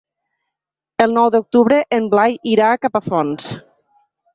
El nou d'octubre en Blai irà a Capafonts.